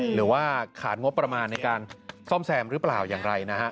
หรือว่าขาดงบประมาณในการซ่อมแซมหรือเปล่าอย่างไรนะฮะ